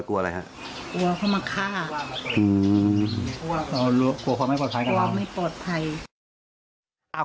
กลัวไม่ปลอดภัย